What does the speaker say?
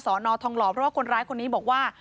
นอทองหล่อเพราะว่าคนร้ายคนนี้บอกว่า